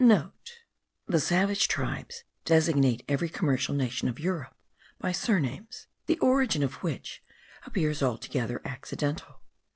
*(* The savage tribes designate every commercial nation of Europe by surnames, the origin of which appears altogether accidental.